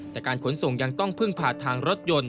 แต่การขนส่งยังต้องพึ่งผ่านทางรถยนต์